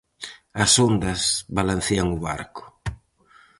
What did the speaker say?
As ondas balancean o barco.